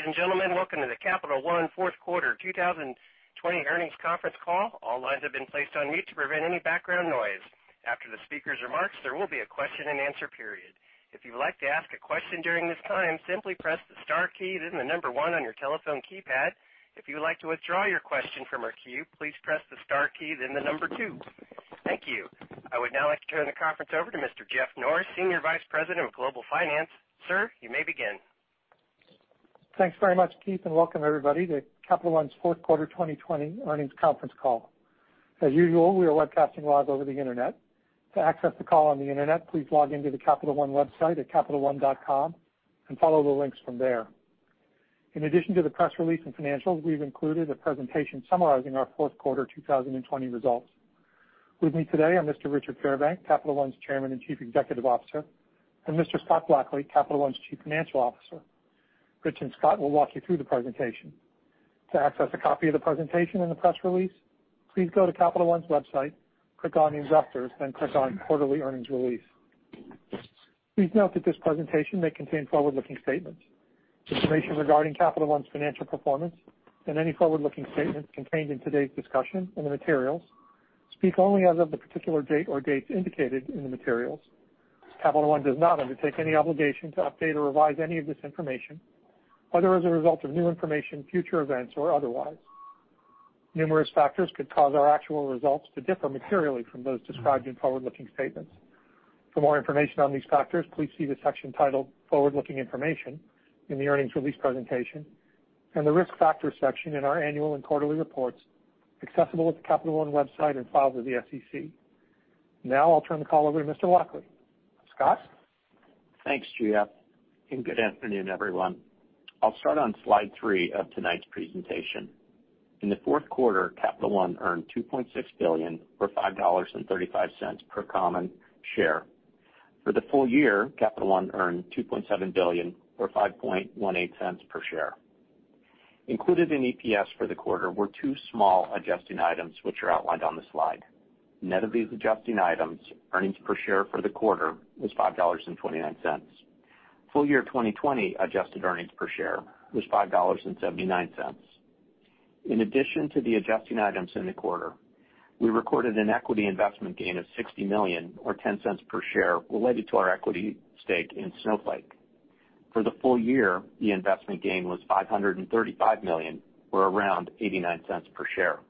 Good day, ladies and gentlemen. Welcome to the Capital One fourth quarter 2020 earnings conference call. All lines have been placed on mute to prevent any background noise. After the speaker's remarks, there will be a question and answer period. If you would like to ask a question during this time, simply press star key then the number one on your telephone keypad. If you would like to withdraw your question from the queue, please press the star key then the number two. Thank you. I would now like to turn the conference over to Mr. Jeff Norris, Senior Vice President of Global Finance. Sir, you may begin. Thanks very much, Keith, and Welcome everybody to Capital One's fourth quarter 2020 earnings conference call. As usual, we are webcasting live over the internet. To access the call on the internet, please log in to the capitalone.com website and follow the links from there. In addition to the press release and financials, we've included a presentation summarizing our fourth quarter 2020 results. With me today are Mr. Richard Fairbank, Capital One's Chairman and Chief Executive Officer, and Mr. Scott Blackley, Capital One's Chief Financial Officer. Rich and Scott will walk you through the presentation. To access a copy of the presentation and the press release, please go to Capital One's website, click on Investors, then click on Quarterly Earnings Release. Please note that this presentation may contain forward-looking statements. Information regarding Capital One's financial performance and any forward-looking statements contained in today's discussion and the materials speak only as of the particular date or dates indicated in the materials. Capital One does not undertake any obligation to update or revise any of this information, whether as a result of new information, future events, or otherwise. Numerous factors could cause our actual results to differ materially from those described in forward-looking statements. For more information on these factors, please see the section titled Forward-Looking Information in the earnings release presentation and the Risk Factors section in our annual and quarterly reports, accessible at the Capital One website and files with the SEC. Now I'll turn the call over to Mr. Blackley. Scott? Thanks, Jeff, good afternoon, everyone. I'll start on slide three of tonight's presentation. In the fourth quarter, Capital One earned $2.6 billion, or $5.35 per common share. For the full year, Capital One earned $2.7 billion, or $5.18 per share. Included in EPS for the quarter were two small adjusting items, which are outlined on the slide. Net of these adjusting items, earnings per share for the quarter was $5.29. Full year 2020 adjusted earnings per share was $5.79. In addition to the adjusting items in the quarter, we recorded an equity investment gain of $60 million, or $0.10 per share, related to our equity stake in Snowflake. For the full year, the investment gain was $535 million, or around $0.89 per share.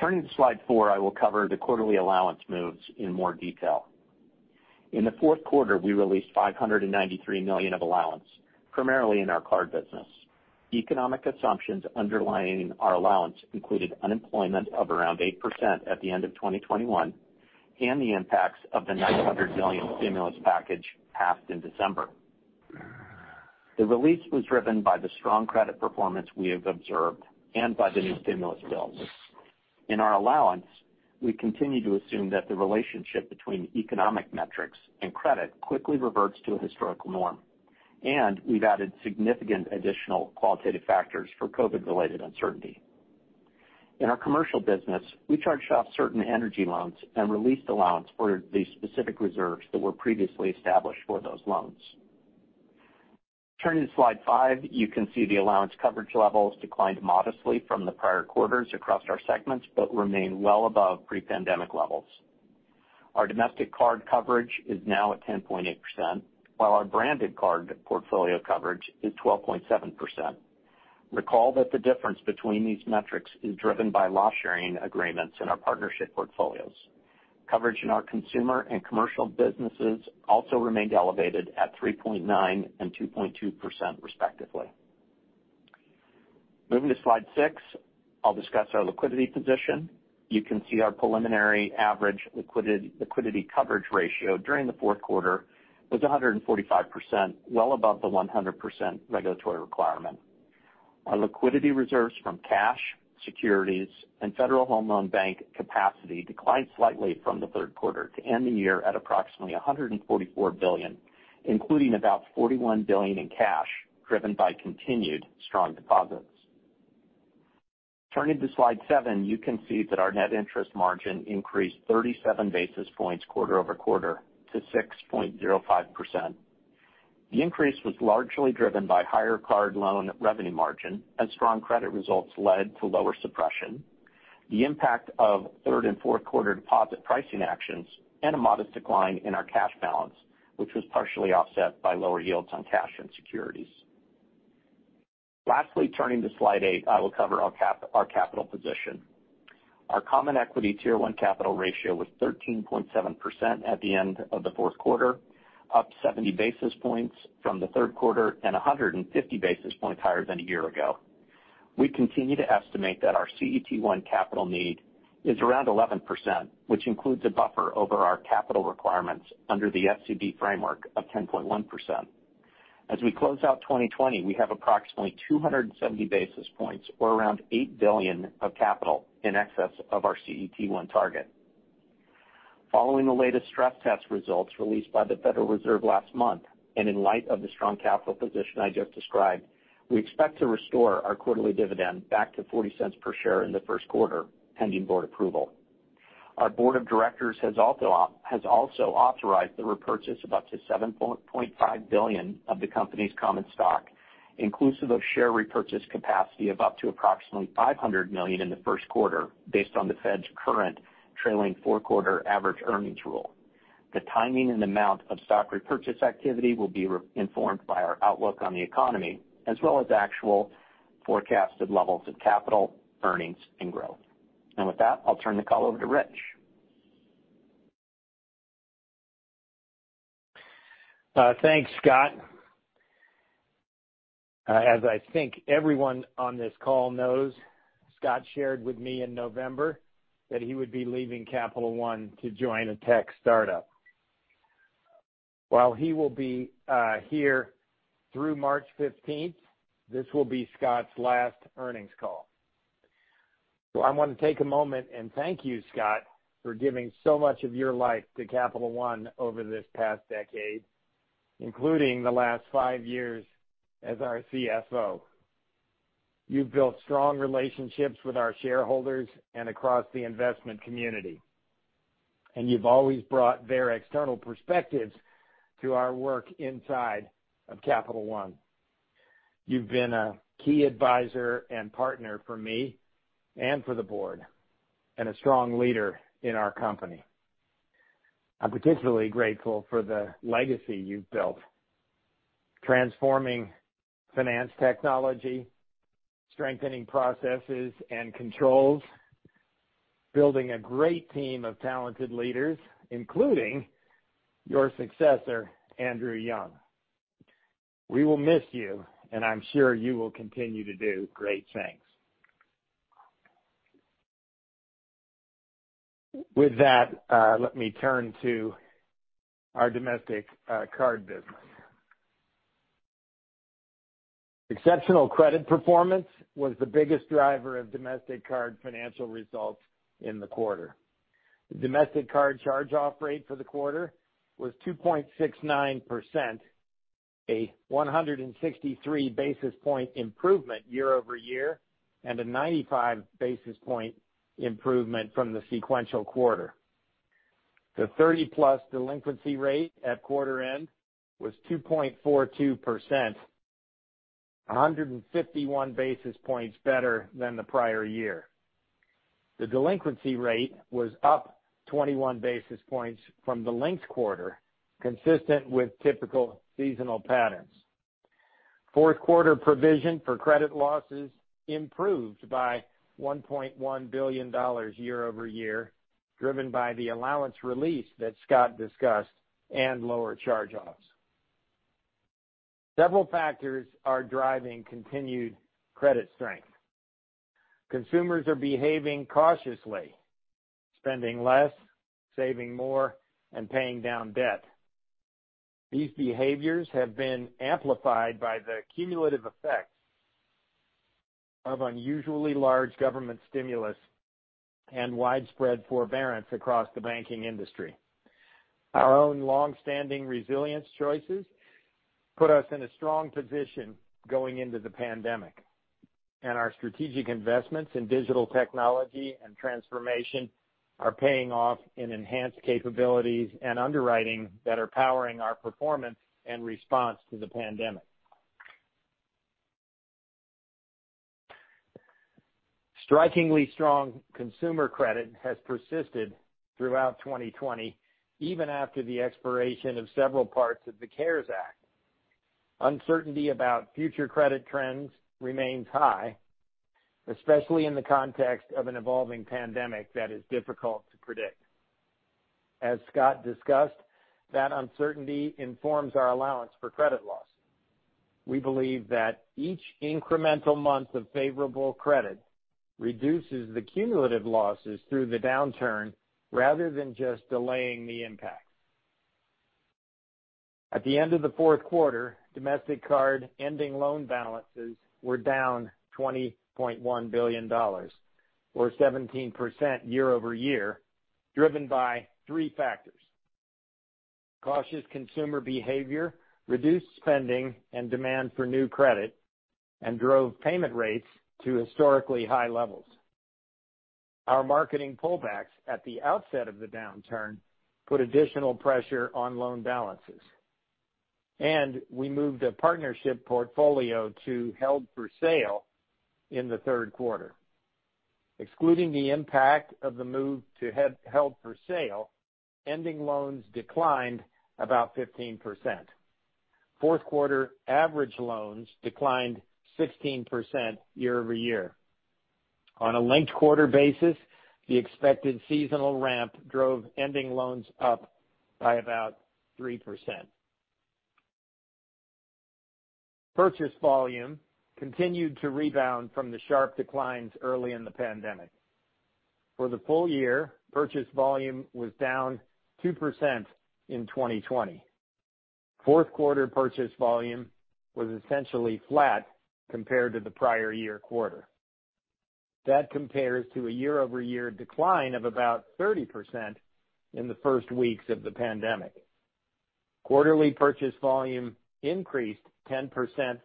Turning to slide four, I will cover the quarterly allowance moves in more detail. In the fourth quarter, we released $593 million of allowance, primarily in our card business. Economic assumptions underlying our allowance included unemployment of around 8% at the end of 2021 and the impacts of the $900 million stimulus package passed in December. The release was driven by the strong credit performance we have observed and by the new stimulus bill. In our allowance, we continue to assume that the relationship between economic metrics and credit quickly reverts to a historical norm, and we've added significant additional qualitative factors for COVID-related uncertainty. In our commercial business, we charged off certain energy loans and released allowance for the specific reserves that were previously established for those loans. Turning to slide five, you can see the allowance coverage levels declined modestly from the prior quarters across our segments but remain well above pre-pandemic levels. Our domestic card coverage is now at 10.8%, while our branded card portfolio coverage is 12.7%. Recall that the difference between these metrics is driven by loss-sharing agreements in our partnership portfolios. Coverage in our consumer and commercial businesses also remained elevated at 3.9% and 2.2%, respectively. Moving to slide six, I'll discuss our liquidity position. You can see our preliminary average liquidity coverage ratio during the fourth quarter was 145%, well above the 100% regulatory requirement. Our liquidity reserves from cash, securities, and Federal Home Loan Bank capacity declined slightly from the third quarter to end the year at approximately $144 billion, including about $41 billion in cash, driven by continued strong deposits. Turning to slide seven, you can see that our net interest margin increased 37 basis points quarter over quarter to 6.05%. The increase was largely driven by higher card loan revenue margin as strong credit results led to lower suppression. The impact of third and fourth quarter deposit pricing actions and a modest decline in our cash balance, which was partially offset by lower yields on cash and securities. Lastly, turning to slide eight, I will cover our capital position. Our Common Equity Tier 1 capital ratio was 13.7% at the end of the fourth quarter, up 70 basis points from the third quarter and 150 basis points higher than a year ago. We continue to estimate that our CET1 capital need is around 11%, which includes a buffer over our capital requirements under the SCB framework of 10.1%. As we close out 2020, we have approximately 270 basis points or around $8 billion of capital in excess of our CET1 target. Following the latest stress test results released by the Federal Reserve last month and in light of the strong capital position I just described, we expect to restore our quarterly dividend back to $0.40 per share in the first quarter, pending board approval. Our board of directors has also authorized the repurchase of up to $7.5 billion of the company's common stock, inclusive of share repurchase capacity of up to approximately $500 million in the first quarter, based on the Fed's current trailing four-quarter average earnings rule. The timing and amount of stock repurchase activity will be informed by our outlook on the economy, as well as actual forecasted levels of capital, earnings, and growth. With that, I'll turn the call over to Rich. Thanks, Scott. As I think everyone on this call knows, Scott shared with me in November that he would be leaving Capital One to join a tech startup. While he will be here through March 15th, this will be Scott's last earnings call. I want to take a moment and thank you, Scott, for giving so much of your life to Capital One over this past decade, including the last five years as our CFO. You've built strong relationships with our shareholders and across the investment community, and you've always brought their external perspectives to our work inside of Capital One. You've been a key advisor and partner for me and for the board, and a strong leader in our company. I'm particularly grateful for the legacy you've built, transforming finance technology, strengthening processes and controls, building a great team of talented leaders, including your successor, Andrew Young. We will miss you, and I'm sure you will continue to do great things. With that, let me turn to our domestic card business. Exceptional credit performance was the biggest driver of domestic card financial results in the quarter. The domestic card charge-off rate for the quarter was 2.69%, a 163 basis point improvement year-over-year, and a 95 basis point improvement from the sequential quarter. The 30+ delinquency rate at quarter end was 2.42%, 151 basis points better than the prior year. The delinquency rate was up 21 basis points from the linked quarter, consistent with typical seasonal patterns. Fourth quarter provision for credit losses improved by $1.1 billion year-over-year, driven by the allowance release that Scott discussed and lower charge-offs. Several factors are driving continued credit strength. Consumers are behaving cautiously, spending less, saving more, and paying down debt. These behaviors have been amplified by the cumulative effect of unusually large government stimulus and widespread forbearance across the banking industry. Our own long-standing resilience choices put us in a strong position going into the pandemic, our strategic investments in digital technology and transformation are paying off in enhanced capabilities and underwriting that are powering our performance and response to the pandemic. Strikingly strong consumer credit has persisted throughout 2020, even after the expiration of several parts of the CARES Act. Uncertainty about future credit trends remains high, especially in the context of an evolving pandemic that is difficult to predict. As Scott discussed, that uncertainty informs our allowance for credit loss. We believe that each incremental month of favorable credit reduces the cumulative losses through the downturn rather than just delaying the impact. At the end of the fourth quarter, domestic card ending loan balances were down $20.1 billion, or 17% year-over-year, driven by three factors. Cautious consumer behavior reduced spending and demand for new credit and drove payment rates to historically high levels. Our marketing pullbacks at the outset of the downturn put additional pressure on loan balances, and we moved a partnership portfolio to held for sale in the third quarter. Excluding the impact of the move to held for sale, ending loans declined about 15%. Fourth quarter average loans declined 16% year-over-year. On a linked quarter basis, the expected seasonal ramp drove ending loans up by about 3%. Purchase volume continued to rebound from the sharp declines early in the pandemic. For the full year, purchase volume was down 2% in 2020. Fourth quarter purchase volume was essentially flat compared to the prior year quarter. That compares to a year-over-year decline of about 30% in the first weeks of the pandemic. Quarterly purchase volume increased 10%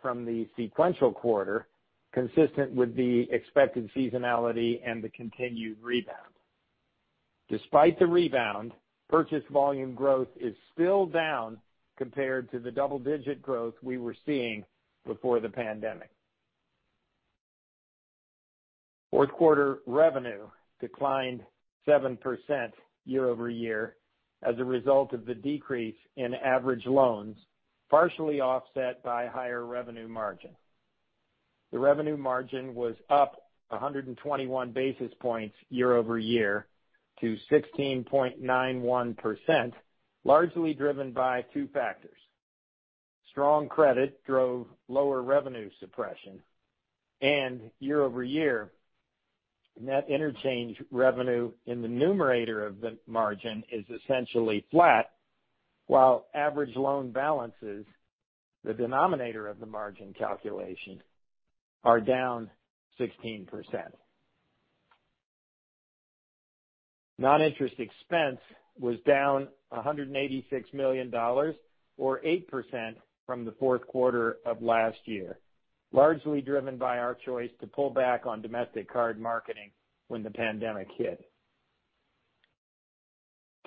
from the sequential quarter, consistent with the expected seasonality and the continued rebound. Despite the rebound, purchase volume growth is still down compared to the double-digit growth we were seeing before the pandemic. Fourth quarter revenue declined 7% year-over-year as a result of the decrease in average loans, partially offset by higher revenue margin. The revenue margin was up 121 basis points year-over-year to 16.91%, largely driven by two factors. Strong credit drove lower revenue suppression and year-over-year net interchange revenue in the numerator of the margin is essentially flat, while average loan balances, the denominator of the margin calculation, are down 16%. Non-interest expense was down $186 million, or 8%, from the fourth quarter of last year, largely driven by our choice to pull back on domestic card marketing when the pandemic hit.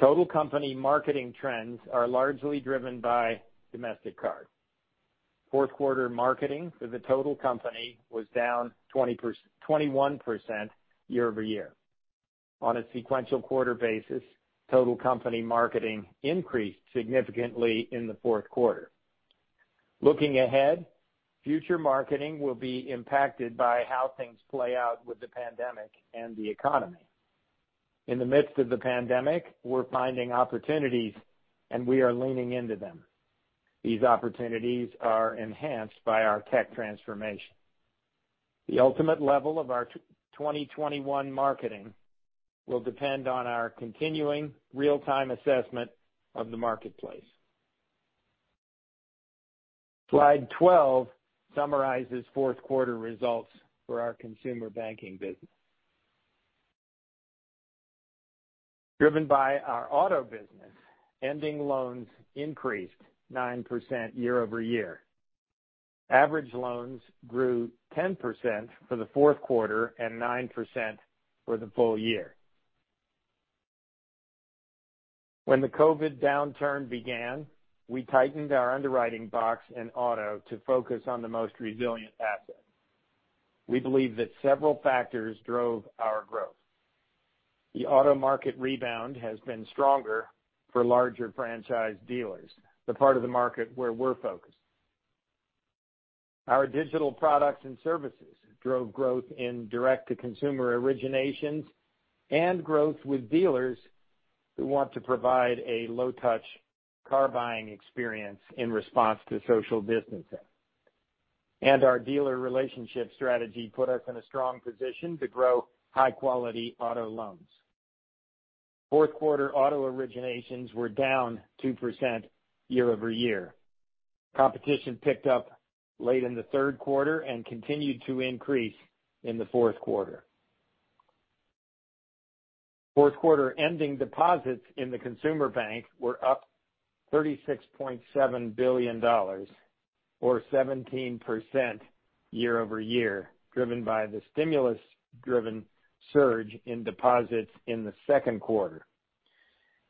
Total company marketing trends are largely driven by domestic card. Fourth quarter marketing for the total company was down 21% year-over-year. On a sequential quarter basis, total company marketing increased significantly in the fourth quarter. Looking ahead, future marketing will be impacted by how things play out with the pandemic and the economy. In the midst of the pandemic, we're finding opportunities and we are leaning into them. These opportunities are enhanced by our tech transformation. The ultimate level of our 2021 marketing will depend on our continuing real-time assessment of the marketplace. Slide 12 summarizes fourth quarter results for our consumer banking business. Driven by our auto business, ending loans increased 9% year-over-year. Average loans grew 10% for the fourth quarter and 9% for the full year. When the COVID downturn began, we tightened our underwriting box and auto to focus on the most resilient assets. We believe that several factors drove our growth. The auto market rebound has been stronger for larger franchise dealers, the part of the market where we're focused. Our digital products and services drove growth in direct-to-consumer originations and growth with dealers who want to provide a low-touch car buying experience in response to social distancing. Our dealer relationship strategy put us in a strong position to grow high-quality auto loans. Fourth quarter auto originations were down 2% year-over-year. Competition picked up late in the third quarter and continued to increase in the fourth quarter. Fourth quarter ending deposits in the consumer bank were up $36.7 billion, or 17% year-over-year, driven by the stimulus-driven surge in deposits in the second quarter.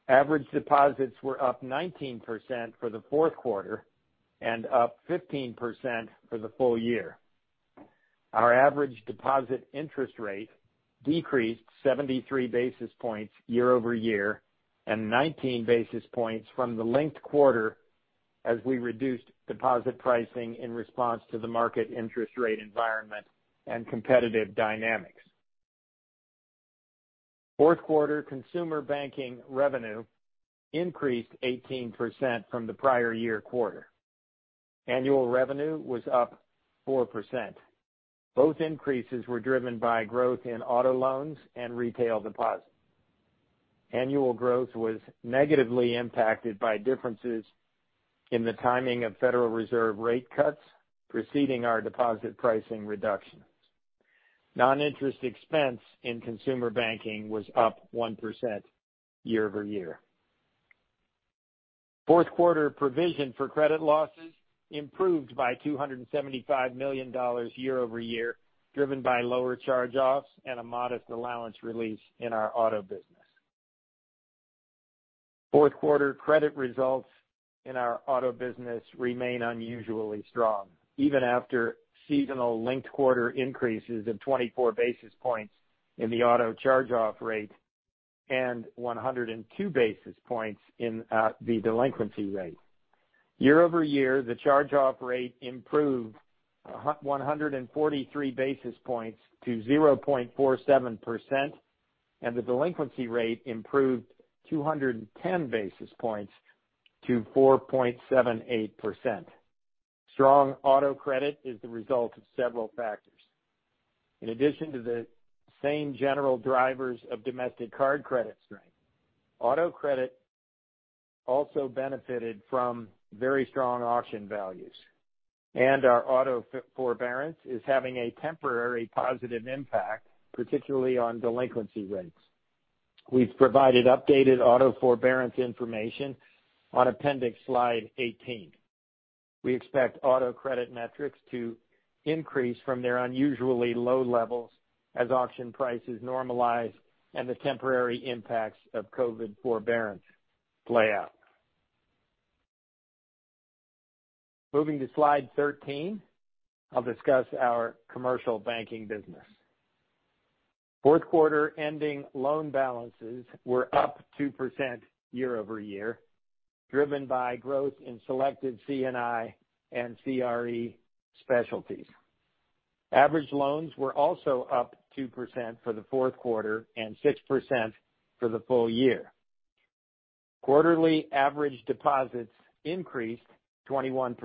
Average deposits were up 19% for the fourth quarter and up 15% for the full year. Our average deposit interest rate decreased 73 basis points year-over-year and 19 basis points from the linked quarter as we reduced deposit pricing in response to the market interest rate environment and competitive dynamics. Fourth quarter consumer banking revenue increased 18% from the prior year quarter. Annual revenue was up 4%. Both increases were driven by growth in auto loans and retail deposits. Annual growth was negatively impacted by differences in the timing of Federal Reserve rate cuts preceding our deposit pricing reductions. Non-interest expense in consumer banking was up 1% year-over-year. Fourth quarter provision for credit losses improved by $275 million year-over-year, driven by lower charge-offs and a modest allowance release in our auto business. Fourth quarter credit results in our auto business remain unusually strong, even after seasonal linked-quarter increases of 24 basis points in the auto charge-off rate and 102 basis points in the delinquency rate. Year-over-year, the charge-off rate improved 143 basis points to 0.47%, and the delinquency rate improved 210 basis points to 4.78%. Strong auto credit is the result of several factors. In addition to the same general drivers of domestic card credit strength, auto credit also benefited from very strong auction values. Our auto forbearance is having a temporary positive impact, particularly on delinquency rates. We've provided updated auto forbearance information on appendix slide 18. We expect auto credit metrics to increase from their unusually low levels as auction prices normalize and the temporary impacts of COVID forbearance play out. Moving to slide 13, I'll discuss our commercial banking business. Fourth quarter ending loan balances were up 2% year-over-year, driven by growth in selected C&I and CRE specialties. Average loans were also up 2% for the fourth quarter, and 6% for the full year. Quarterly average deposits increased 21%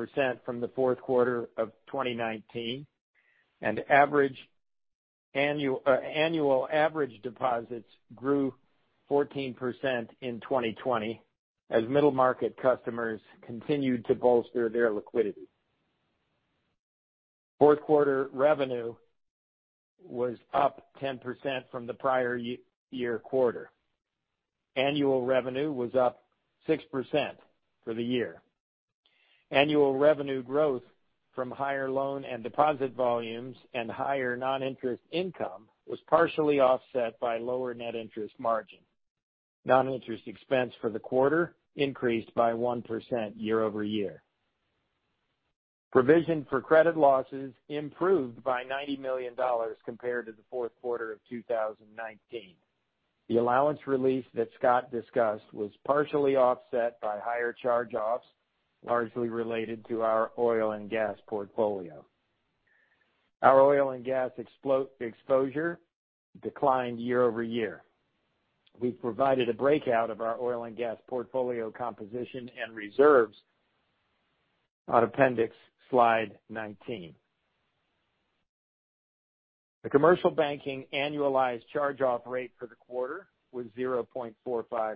from the fourth quarter of 2019, and annual average deposits grew 14% in 2020 as middle market customers continued to bolster their liquidity. Fourth quarter revenue was up 10% from the prior year quarter. Annual revenue was up 6% for the year. Annual revenue growth from higher loan and deposit volumes and higher non-interest income was partially offset by lower net interest margin. Non-interest expense for the quarter increased by 1% year-over-year. Provision for credit losses improved by $90 million compared to the fourth quarter of 2019. The allowance release that Scott discussed was partially offset by higher charge-offs, largely related to our oil and gas portfolio. Our oil and gas exposure declined year-over-year. We've provided a breakout of our oil and gas portfolio composition and reserves on appendix slide 19. The commercial banking annualized charge-off rate for the quarter was 0.45%.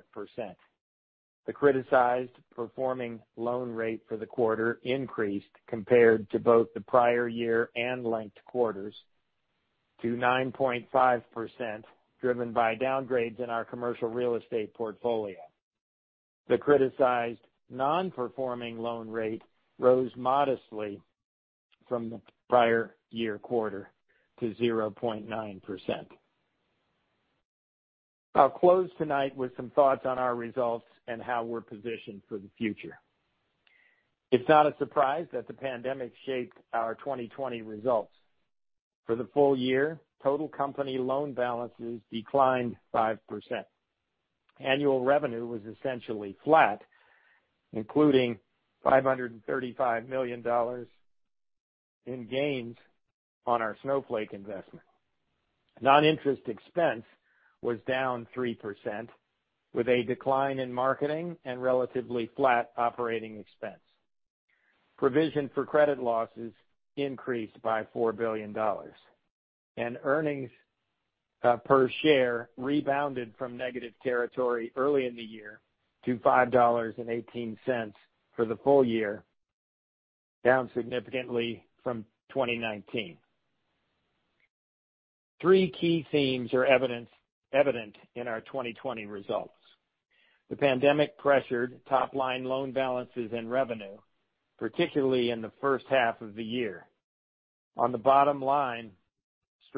The criticized performing loan rate for the quarter increased compared to both the prior year and linked quarters to 9.5%, driven by downgrades in our commercial real estate portfolio. The criticized non-performing loan rate rose modestly from the prior year quarter to 0.9%. I'll close tonight with some thoughts on our results and how we're positioned for the future. It's not a surprise that the pandemic shaped our 2020 results. For the full year, total company loan balances declined 5%. Annual revenue was essentially flat, including $535 million in gains on our Snowflake investment. Non-interest expense was down 3%, with a decline in marketing and relatively flat operating expense. Provision for credit losses increased by $4 billion. Earnings per share rebounded from negative territory early in the year to $5.18 for the full year, down significantly from 2019. Three key themes are evident in our 2020 results. The pandemic pressured top line loan balances and revenue, particularly in the first half of the year. On the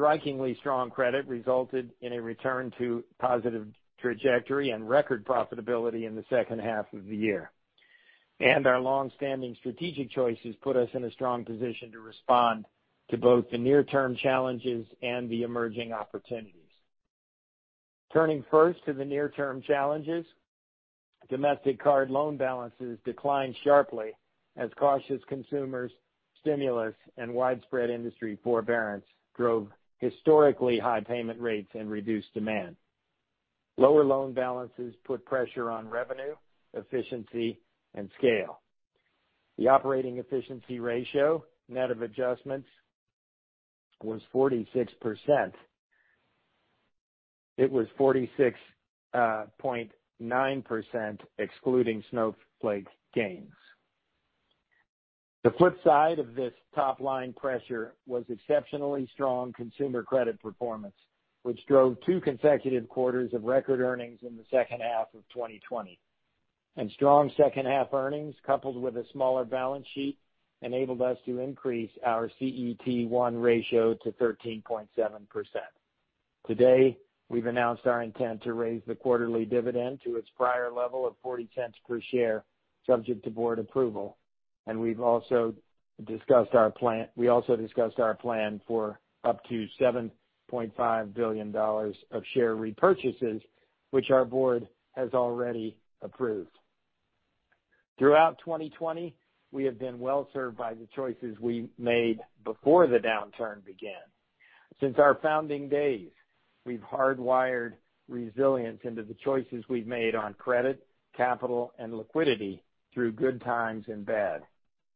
bottom line, strikingly strong credit resulted in a return to positive trajectory and record profitability in the second half of the year. Our long-standing strategic choices put us in a strong position to respond to both the near-term challenges and the emerging opportunities. Turning first to the near-term challenges, domestic card loan balances declined sharply as cautious consumers, stimulus, and widespread industry forbearance drove historically high payment rates and reduced demand. Lower loan balances put pressure on revenue, efficiency, and scale. The operating efficiency ratio, net of adjustments, was 46%. It was 46.9%, excluding Snowflake gains. The flip side of this top-line pressure was exceptionally strong consumer credit performance, which drove two consecutive quarters of record earnings in the second half of 2020. Strong second half earnings, coupled with a smaller balance sheet, enabled us to increase our CET1 ratio to 13.7%. Today, we've announced our intent to raise the quarterly dividend to its prior level of $0.40 per share, subject to board approval. We also discussed our plan for up to $7.5 billion of share repurchases, which our board has already approved. Throughout 2020, we have been well served by the choices we made before the downturn began. Since our founding days, we've hardwired resilience into the choices we've made on credit, capital, and liquidity through good times and bad.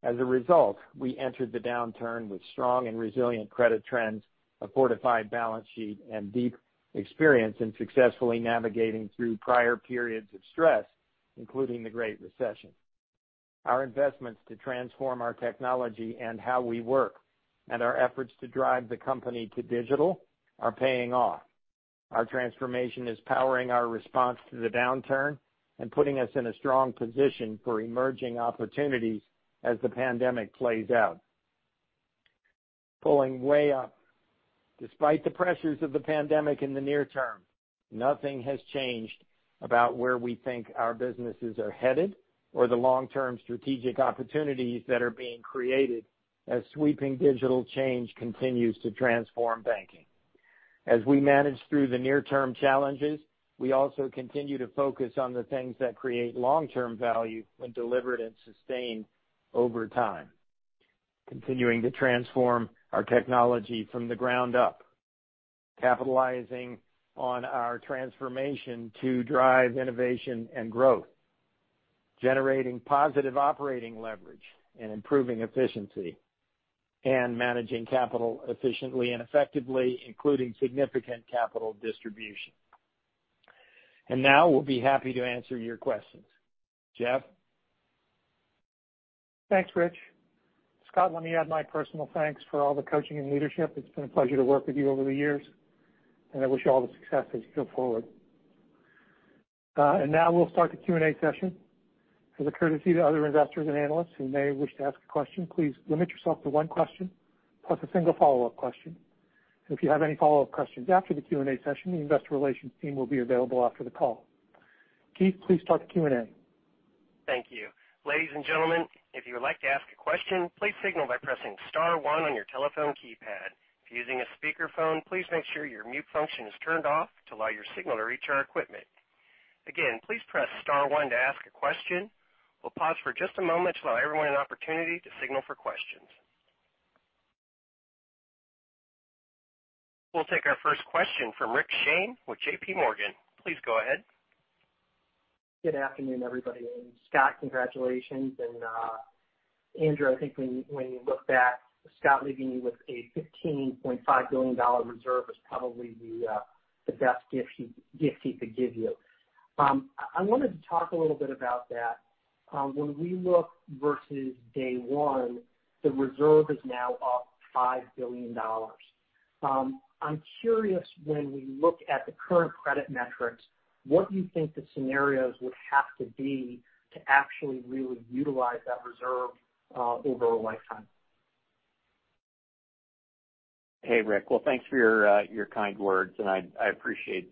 As a result, we entered the downturn with strong and resilient credit trends, a fortified balance sheet, and deep experience in successfully navigating through prior periods of stress, including the Great Recession. Our investments to transform our technology and how we work, and our efforts to drive the company to digital are paying off. Our transformation is powering our response to the downturn and putting us in a strong position for emerging opportunities as the pandemic plays out. Despite the pressures of the pandemic in the near term, nothing has changed about where we think our businesses are headed or the long-term strategic opportunities that are being created as sweeping digital change continues to transform banking. As we manage through the near-term challenges, we also continue to focus on the things that create long-term value when delivered and sustained over time. Continuing to transform our technology from the ground up. Capitalizing on our transformation to drive innovation and growth. Generating positive operating leverage and improving efficiency. Managing capital efficiently and effectively, including significant capital distribution. Now we'll be happy to answer your questions. Jeff? Thanks, Rich. Scott, let me add my personal thanks for all the coaching and leadership. It's been a pleasure to work with you over the years. I wish you all the success as you go forward. Now we'll start the Q&A session. As a courtesy to other investors and analysts who may wish to ask a question, please limit yourself to one question, plus a single follow-up question. If you have any follow-up questions after the Q&A session, the investor relations team will be available after the call. Keith, please start the Q&A. Thank you. Ladies and gentlemen, if you would like to ask a question, please signal by pressing star one on your telephone keypad. If using a speakerphone, please make sure your mute function is turned off to allow your signal to reach our equipment. Again, please press star one to ask a question. We'll pause for just a moment to allow everyone an opportunity to signal for questions. We'll take our first question from Rick Shane with JPMorgan. Please go ahead. Good afternoon, everybody. Scott, congratulations. Andrew, I think when you look back, Scott leaving you with a $15.5 billion reserve was probably the best gift he could give you. I wanted to talk a little bit about that. When we look versus day one, the reserve is now up $5 billion. I'm curious when we look at the current credit metrics, what you think the scenarios would have to be to actually really utilize that reserve over a lifetime? Hey, Rick. Well, thanks for your kind words, and I appreciate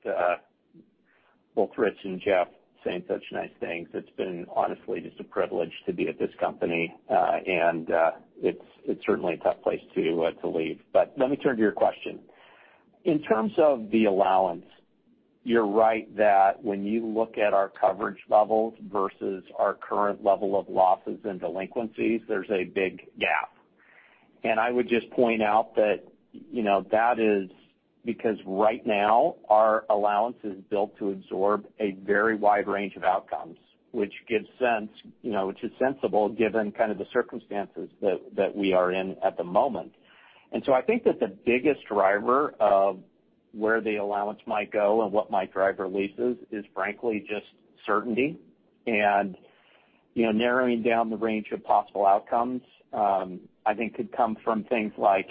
both Rich and Jeff saying such nice things. It's been honestly just a privilege to be at this company. It's certainly a tough place to leave. Let me turn to your question. In terms of the allowance, you're right that when you look at our coverage levels versus our current level of losses and delinquencies, there's a big gap. I would just point out that is because right now our allowance is built to absorb a very wide range of outcomes, which is sensible given kind of the circumstances that we are in at the moment. I think that the biggest driver of where the allowance might go and what might drive releases is frankly just certainty. Narrowing down the range of possible outcomes, I think could come from things like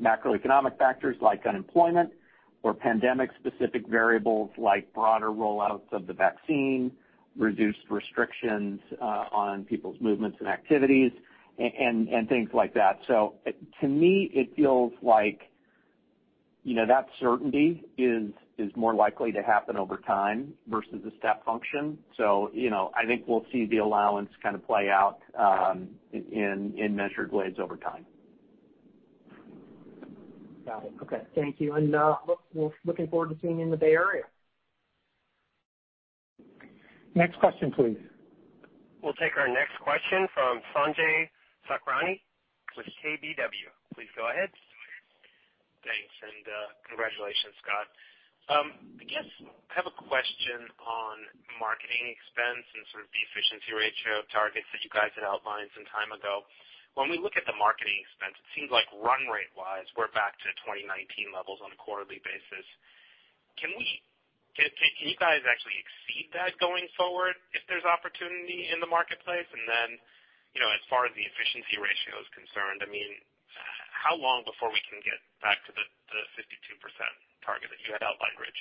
macroeconomic factors like unemployment or pandemic specific variables like broader rollouts of the vaccine, reduced restrictions on people's movements and activities, and things like that. To me, it feels like that certainty is more likely to happen over time versus a step function. I think we'll see the allowance kind of play out in measured ways over time. Got it. Okay. Thank you. Looking forward to seeing you in the Bay Area. Next question, please. We'll take our next question from Sanjay Sakhrani with KBW. Please go ahead. Thanks. Congratulations, Scott. I guess I have a question on marketing expense sort of the efficiency ratio targets that you guys had outlined some time ago. When we look at the marketing expense, it seems like run rate wise, we're back to 2019 levels on a quarterly basis. Can you guys actually exceed that going forward if there's opportunity in the marketplace? As far as the efficiency ratio is concerned, how long before we can get back to the 52% target that you had outlined, Rich?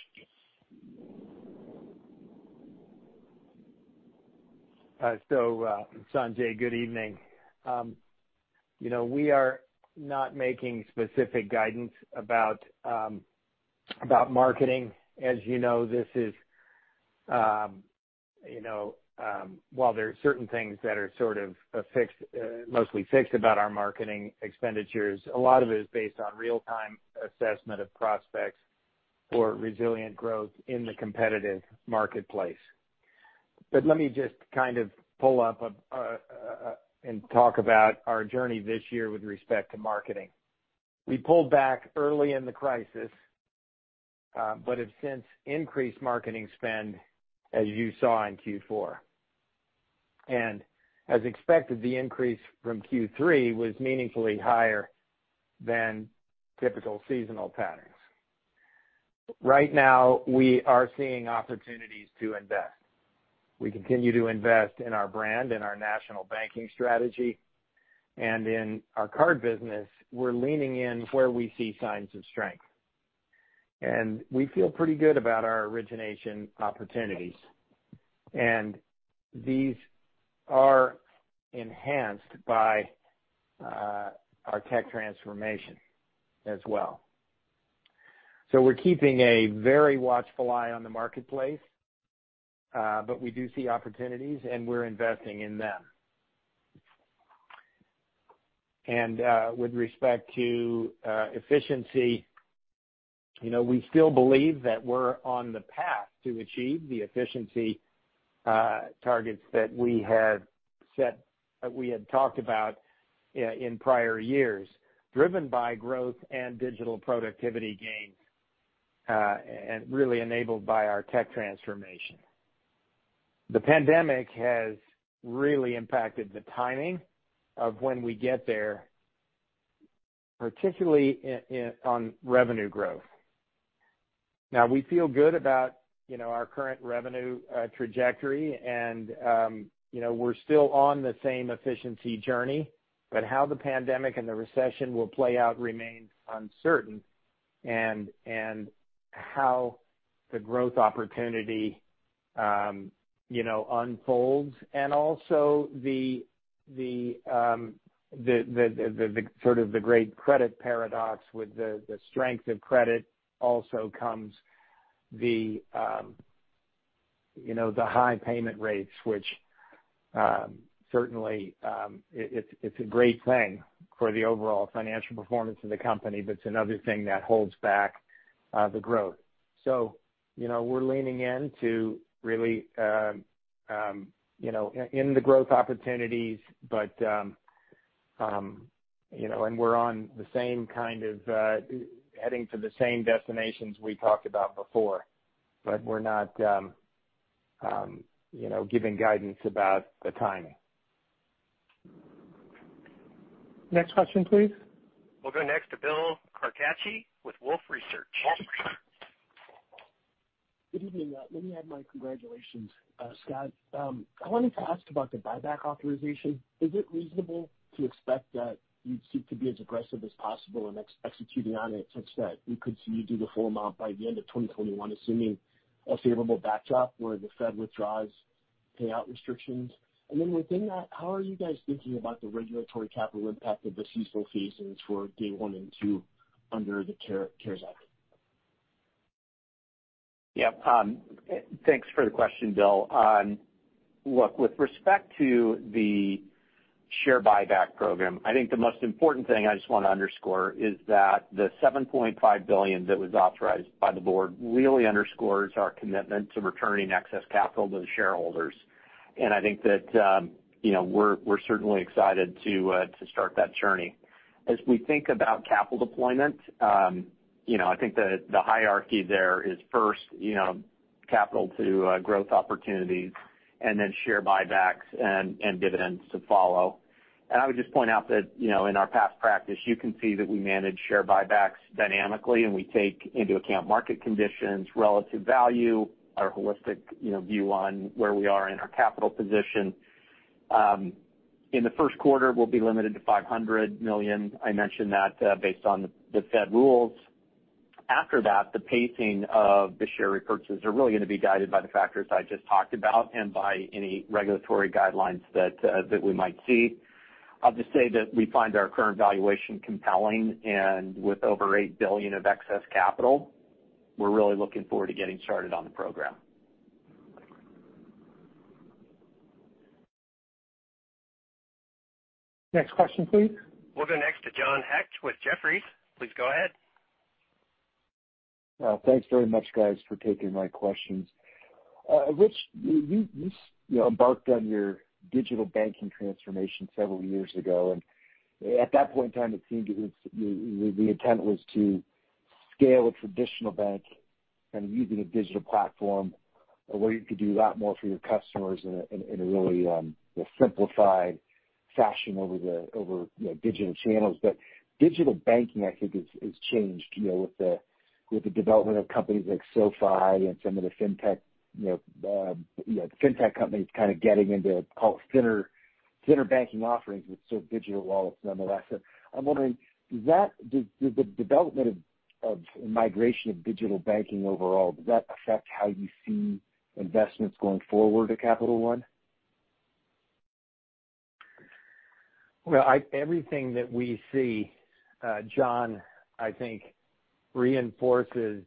Sanjay, good evening. We are not making specific guidance about marketing. As you know, while there are certain things that are sort of mostly fixed about our marketing expenditures, a lot of it is based on real-time assessment of prospects for resilient growth in the competitive marketplace. Let me just kind of pull up and talk about our journey this year with respect to marketing. We pulled back early in the crisis, but have since increased marketing spend, as you saw in Q4. As expected, the increase from Q3 was meaningfully higher than typical seasonal patterns. Right now, we are seeing opportunities to invest. We continue to invest in our brand and our national banking strategy. In our card business, we're leaning in where we see signs of strength. We feel pretty good about our origination opportunities. These are enhanced by our tech transformation as well. We're keeping a very watchful eye on the marketplace, but we do see opportunities, and we're investing in them. With respect to efficiency, we still believe that we're on the path to achieve the efficiency targets that we had talked about in prior years, driven by growth and digital productivity gains, and really enabled by our tech transformation. The pandemic has really impacted the timing of when we get there, particularly on revenue growth. We feel good about our current revenue trajectory and we're still on the same efficiency journey, but how the pandemic and the recession will play out remains uncertain, and how the growth opportunity unfolds, and also the great credit paradox. With the strength of credit also comes the high payment rates, which certainly, it's a great thing for the overall financial performance of the company, but it's another thing that holds back the growth. We're leaning into the growth opportunities, and we're heading to the same destinations we talked about before. We're not giving guidance about the timing. Next question, please. We'll go next to Bill Carcache with Wolfe Research. Wolfe Research. Good evening. Let me add my congratulations. Scott, I wanted to ask about the buyback authorization. Is it reasonable to expect that you'd seek to be as aggressive as possible in executing on it, such that we could see you do the full amount by the end of 2021, assuming a favorable backdrop where the Fed withdraws payout restrictions? Within that, how are you guys thinking about the regulatory capital impact of the CECL phase-ins for day one and two under the CARES Act? Yeah. Thanks for the question, Bill. Look, with respect to the share buyback program, I think the most important thing I just want to underscore is that the $7.5 billion that was authorized by the board really underscores our commitment to returning excess capital to the shareholders. I think that we're certainly excited to start that journey. As we think about capital deployment, I think the hierarchy there is first, capital to growth opportunities, and then share buybacks and dividends to follow. I would just point out that in our past practice, you can see that we manage share buybacks dynamically, and we take into account market conditions, relative value, our holistic view on where we are in our capital position. In the first quarter, we'll be limited to $500 million. I mentioned that based on the Fed rules. After that, the pacing of the share repurchases are really going to be guided by the factors I just talked about and by any regulatory guidelines that we might see. I'll just say that we find our current valuation compelling and with over $8 billion of excess capital, we're really looking forward to getting started on the program. Next question, please. We'll go next to John Hecht with Jefferies. Please go ahead. Thanks very much, guys, for taking my questions. Rich, you embarked on your digital banking transformation several years ago, and at that point in time, it seemed the intent was to scale a traditional bank kind of using a digital platform where you could do a lot more for your customers in a really simplified fashion over digital channels. Digital banking, I think it's changed with the development of companies like SoFi and some of the fintech companies kind of getting into call it thinner banking offerings with digital wallets nonetheless. I'm wondering, does the development of migration of digital banking overall, does that affect how you see investments going forward at Capital One? Well, everything that we see, John, I think reinforces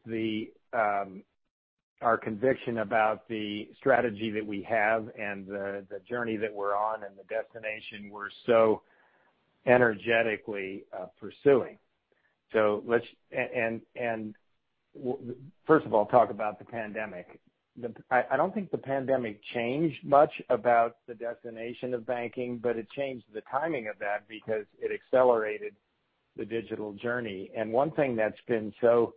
our conviction about the strategy that we have and the journey that we're on and the destination we're so energetically pursuing. First of all, talk about the pandemic. I don't think the pandemic changed much about the destination of banking, but it changed the timing of that because it accelerated the digital journey. One thing that's been so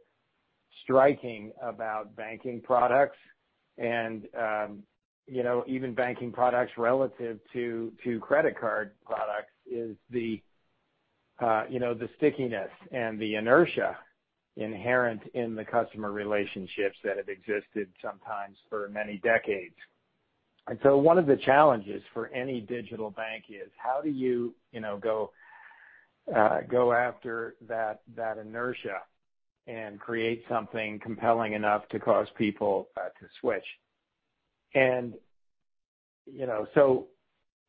striking about banking products and even banking products relative to credit card products is the stickiness and the inertia inherent in the customer relationships that have existed sometimes for many decades. One of the challenges for any digital bank is how do you go after that inertia and create something compelling enough to cause people to switch.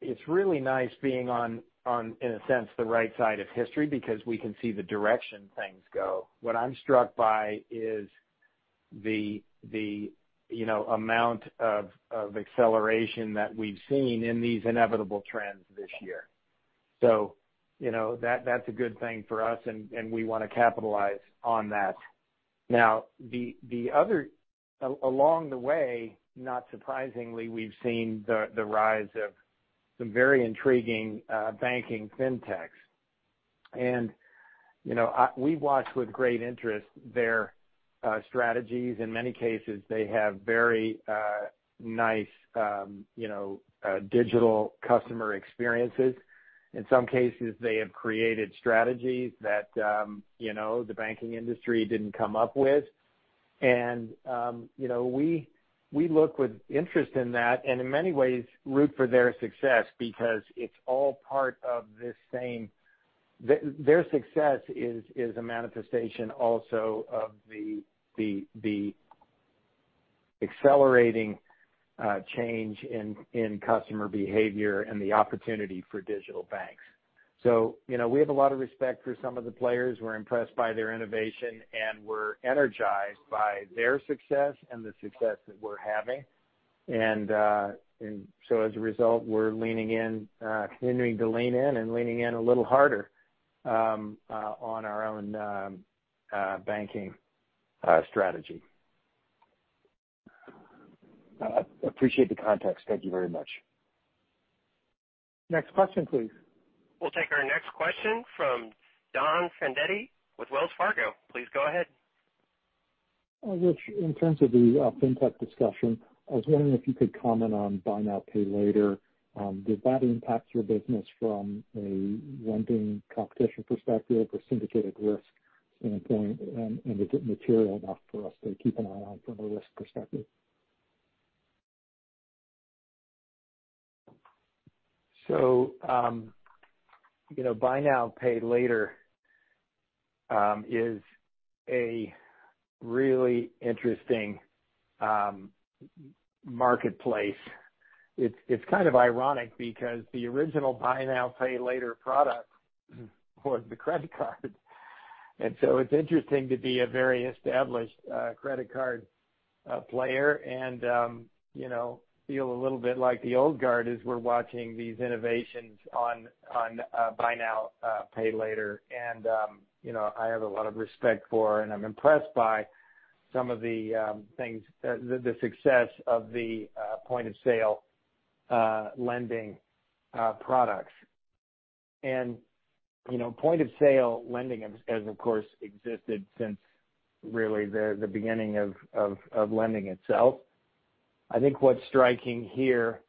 It's really nice being on, in a sense, the right side of history because we can see the direction things go. What I'm struck by is the amount of acceleration that we've seen in these inevitable trends this year. That's a good thing for us, and we want to capitalize on that. Now, along the way, not surprisingly, we've seen the rise of some very intriguing banking fintechs. We've watched with great interest their strategies. In many cases, they have very nice digital customer experiences. In some cases, they have created strategies that the banking industry didn't come up with. We look with interest in that, and in many ways root for their success because their success is a manifestation also of the accelerating change in customer behavior and the opportunity for digital banks. We have a lot of respect for some of the players. We're impressed by their innovation, and we're energized by their success and the success that we're having. As a result, we're continuing to lean in and leaning in a little harder on our own banking strategy. I appreciate the context. Thank you very much. Next question, please. We'll take our next question from Don Fandetti with Wells Fargo. Please go ahead. Richard, in terms of the Fintech discussion, I was wondering if you could comment on buy now, pay later. Did that impact your business from a lending competition perspective or syndicated risk standpoint, and is it material enough for us to keep an eye on from a risk perspective? Buy now, pay later is a really interesting marketplace. It's kind of ironic because the original buy now, pay later product was the credit card. It's interesting to be a very established credit card player and feel a little bit like the old guard as we're watching these innovations on buy now, pay later. I have a lot of respect for and I'm impressed by some of the success of the point-of-sale lending products. Point-of-sale lending has, of course, existed since really the beginning of lending itself. I think what's striking here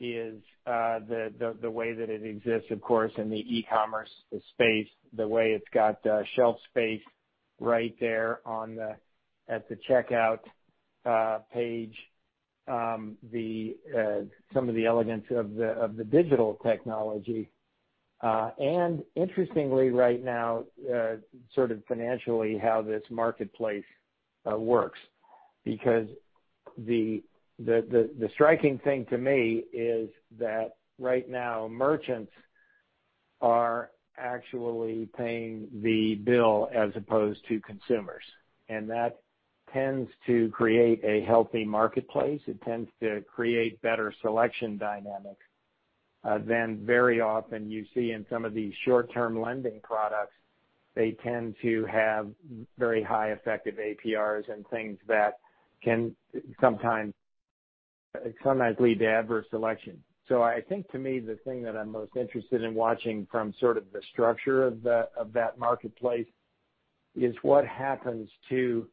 is the way that it exists, of course, in the e-commerce space, the way it's got shelf space right there at the checkout page. Some of the elegance of the digital technology. Interestingly right now, sort of financially how this marketplace works. The striking thing to me is that right now merchants are actually paying the bill as opposed to consumers. That tends to create a healthy marketplace. It tends to create better selection dynamics than very often you see in some of these short-term lending products. They tend to have very high effective APRs and things that can sometimes lead to adverse selection. I think to me, the thing that I'm most interested in watching from sort of the structure of that marketplace is what happens to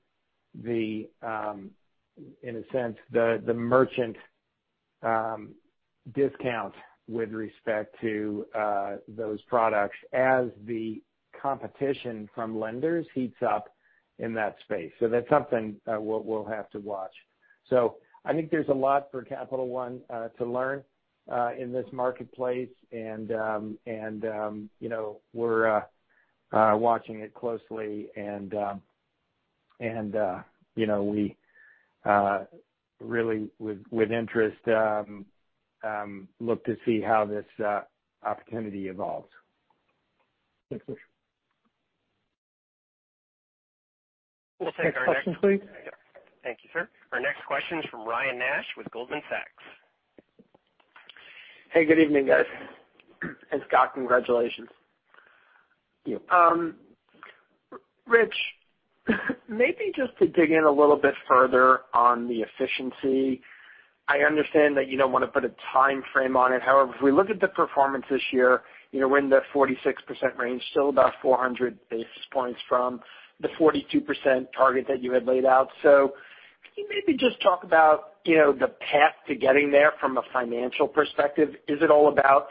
the, in a sense, the merchant discount with respect to those products as the competition from lenders heats up in that space. That's something we'll have to watch. I think there's a lot for Capital One to learn in this marketplace and we're watching it closely, and we really with interest look to see how this opportunity evolves. Thanks, Rich. We'll take our next question, please. Thank you, sir. Our next question is from Ryan Nash with Goldman Sachs. Hey, good evening, guys. Scott, congratulations. Thank you. Rich, maybe just to dig in a little bit further on the efficiency. I understand that you don't want to put a time frame on it. If we look at the performance this year, we're in the 46% range, still about 400 basis points from the 42% target that you had laid out. Can you maybe just talk about the path to getting there from a financial perspective? Is it all about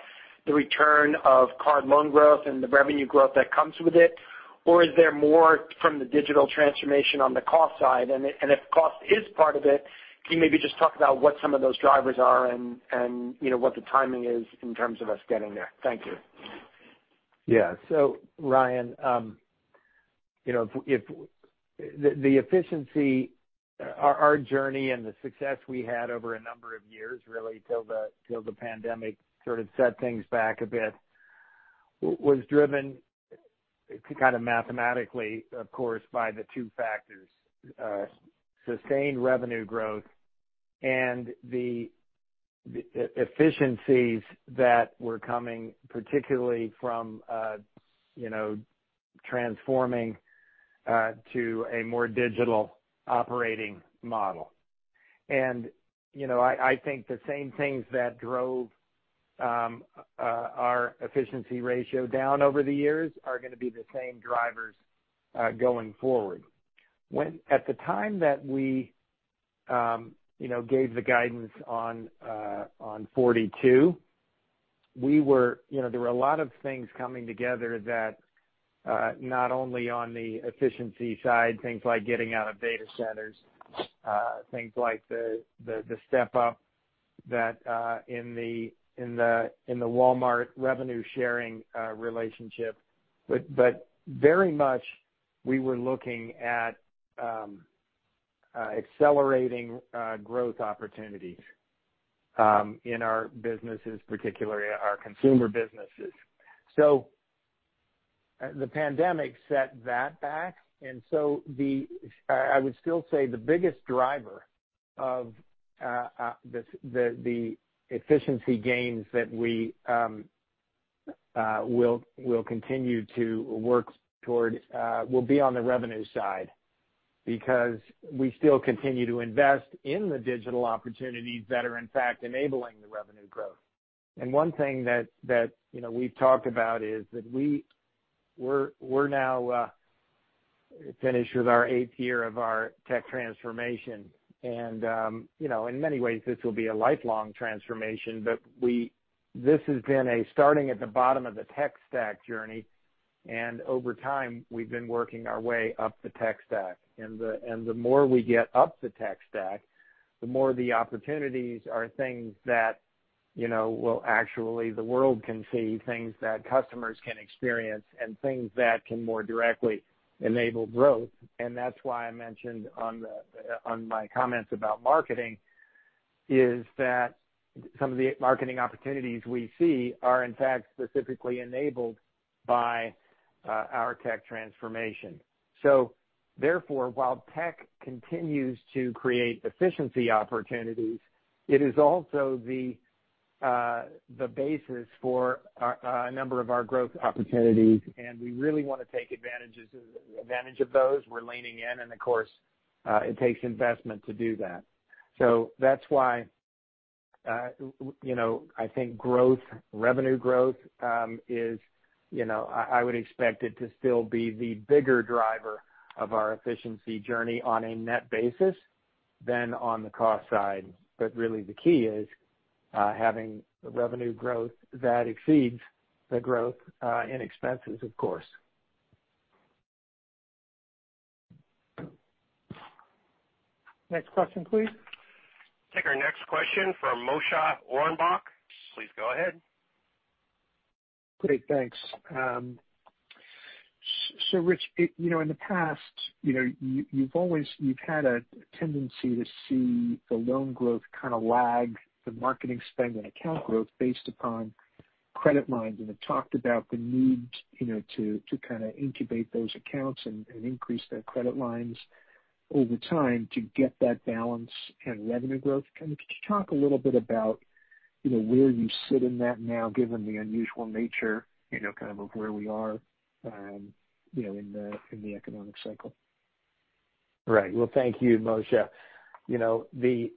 the return of card loan growth and the revenue growth that comes with it? Is there more from the digital transformation on the cost side? If cost is part of it, can you maybe just talk about what some of those drivers are and what the timing is in terms of us getting there? Thank you. Ryan, the efficiency, our journey and the success we had over a number of years, really till the pandemic sort of set things back a bit, was driven kind of mathematically, of course, by the two factors. Sustained revenue growth and the efficiencies that were coming, particularly from transforming to a more digital operating model. I think the same things that drove our efficiency ratio down over the years are going to be the same drivers going forward. At the time that we gave the guidance on 42, there were a lot of things coming together that not only on the efficiency side, things like getting out of data centers, things like the step-up in the Walmart revenue-sharing relationship. Very much, we were looking at accelerating growth opportunities in our businesses, particularly our consumer businesses. The pandemic set that back, and so I would still say the biggest driver of the efficiency gains that we will continue to work toward will be on the revenue side, because we still continue to invest in the digital opportunities that are in fact enabling the revenue growth. One thing that we've talked about is that we're now finished with our eighth year of our tech transformation. In many ways, this will be a lifelong transformation. This has been a starting at the bottom of the tech stack journey, and over time, we've been working our way up the tech stack. The more we get up the tech stack, the more the opportunities are things that will actually the world can see, things that customers can experience, and things that can more directly enable growth. That's why I mentioned on my comments about marketing, is that some of the marketing opportunities we see are in fact specifically enabled by our tech transformation. Therefore, while tech continues to create efficiency opportunities, it is also the basis for a number of our growth opportunities, and we really want to take advantage of those. We're leaning in, and of course, it takes investment to do that. That's why I think revenue growth is, I would expect it to still be the bigger driver of our efficiency journey on a net basis than on the cost side. Really the key is having the revenue growth that exceeds the growth in expenses, of course. Next question, please. Take our next question from Moshe Orenbuch. Please go ahead. Great. Thanks. Rich, in the past, you've had a tendency to see the loan growth kind of lag the marketing spend and account growth based upon credit lines, and have talked about the need to kind of incubate those accounts and increase their credit lines over time to get that balance and revenue growth. Can you talk a little bit about where you sit in that now, given the unusual nature of where we are in the economic cycle? Right. Well, thank you, Moshe.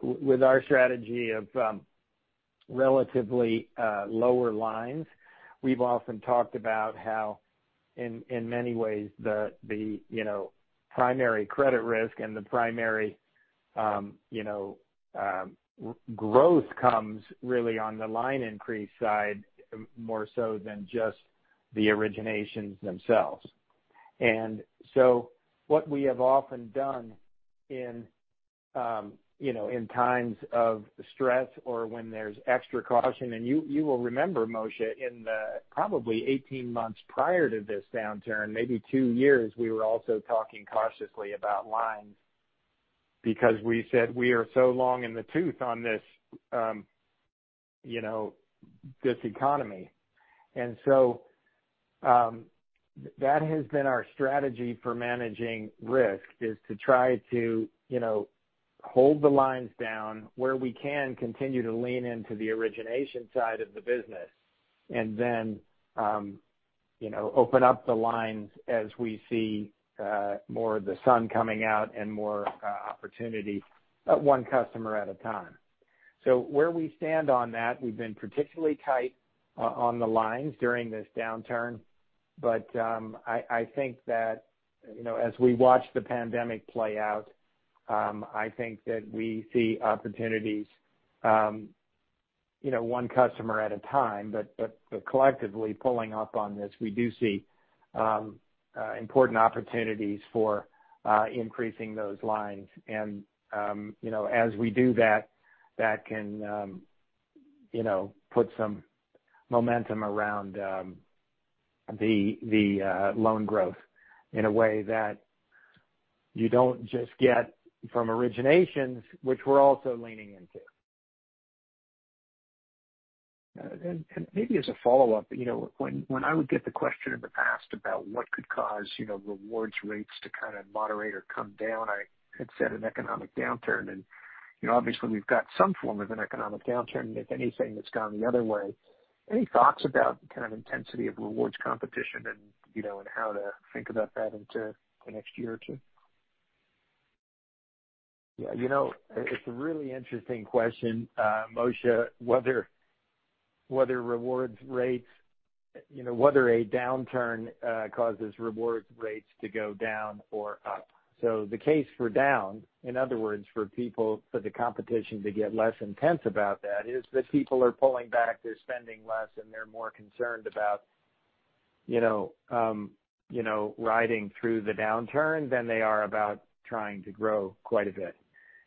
With our strategy of relatively lower lines, we've often talked about how, in many ways, the primary credit risk and the primary growth comes really on the line increase side, more so than just the originations themselves. What we have often done in times of stress or when there's extra caution, and you will remember, Moshe, in the probably 18 months prior to this downturn, maybe two years, we were also talking cautiously about lines because we said we are so long in the tooth on this economy. That has been our strategy for managing risk, is to try to hold the lines down where we can continue to lean into the origination side of the business, Open up the lines as we see more of the sun coming out and more opportunity one customer at a time. Where we stand on that, we've been particularly tight on the lines during this downturn. I think that as we watch the pandemic play out, I think that we see opportunities one customer at a time. Collectively pulling up on this, we do see important opportunities for increasing those lines. As we do that can put some momentum around the loan growth in a way that you don't just get from originations, which we're also leaning into. Maybe as a follow-up, when I would get the question in the past about what could cause rewards rates to kind of moderate or come down, I had said an economic downturn. Obviously we've got some form of an economic downturn. If anything, it's gone the other way. Any thoughts about the kind of intensity of rewards competition and how to think about that into the next year or two? Yeah. It's a really interesting question, Moshe, whether a downturn causes rewards rates to go down or up. The case for down, in other words, for the competition to get less intense about that, is that people are pulling back, they're spending less, and they're more concerned about riding through the downturn than they are about trying to grow quite a bit.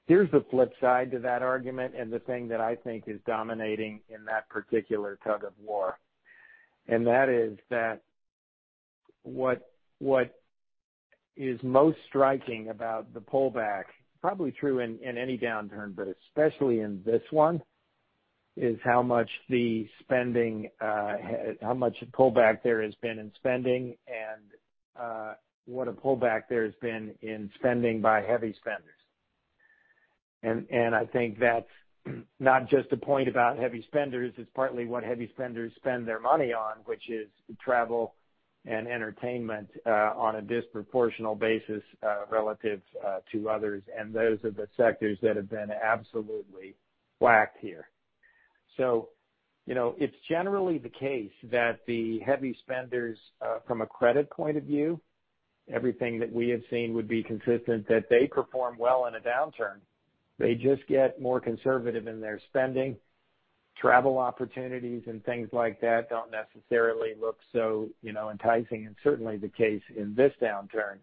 Here's the flip side to that argument and the thing that I think is dominating in that particular tug-of-war. That is that what is most striking about the pullback, probably true in any downturn but especially in this one, is how much a pullback there has been in spending and what a pullback there's been in spending by heavy spenders. I think that's not just a point about heavy spenders. It's partly what heavy spenders spend their money on, which is travel and entertainment on a disproportional basis relative to others. Those are the sectors that have been absolutely whacked here. It's generally the case that the heavy spenders from a credit point of view, everything that we have seen would be consistent that they perform well in a downturn. They just get more conservative in their spending. Travel opportunities and things like that don't necessarily look so enticing and certainly the case in this downturn.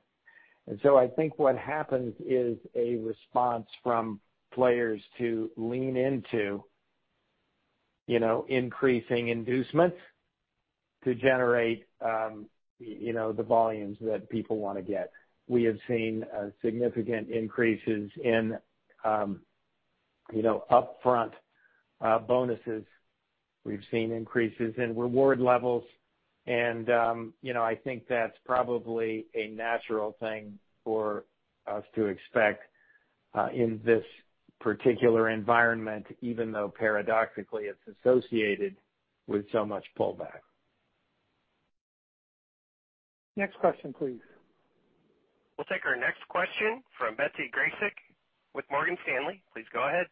I think what happens is a response from players to lean into increasing inducements to generate the volumes that people want to get. We have seen significant increases in upfront bonuses. We've seen increases in reward levels. I think that's probably a natural thing for us to expect in this particular environment, even though paradoxically it's associated with so much pullback. Next question, please. We'll take our next question from Betsy Graseck with Morgan Stanley. Please go ahead.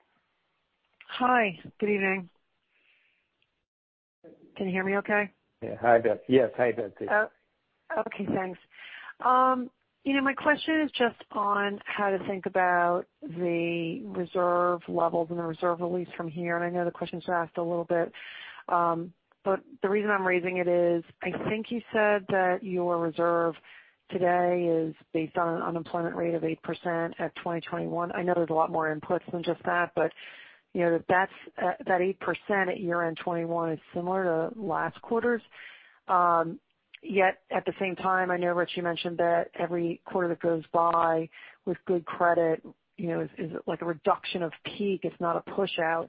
Hi. Good evening. Can you hear me okay? Yeah. Hi, Betsy. Yes. Hi, Betsy. Okay, thanks. My question is just on how to think about the reserve levels and the reserve release from here. I know the questions were asked a little bit. The reason I'm raising it is I think you said that your reserve today is based on an unemployment rate of 8% at 2021. I know there's a lot more inputs than just that, but that 8% at year-end 2021 is similar to last quarter's. Yet at the same time, I know Rich mentioned that every quarter that goes by with good credit is like a reduction of peak. It's not a pushout.